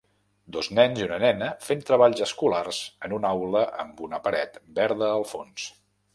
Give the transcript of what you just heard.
Dos nens i una nena fent treballs escolars en una aula amb una paret verda al fons.